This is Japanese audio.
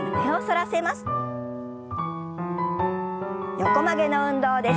横曲げの運動です。